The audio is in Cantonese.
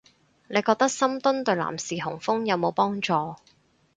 你覺得深蹲對男士雄風有冇幫助